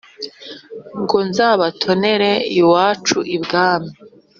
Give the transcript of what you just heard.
ngo nzabatonere iwacu i bwami